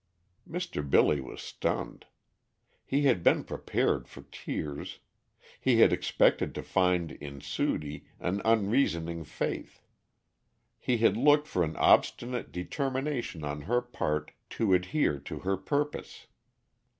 Mr. Billy was stunned. He had been prepared for tears. He had expected to find in Sudie an unreasoning faith. He had looked for an obstinate determination on her part to adhere to her purpose.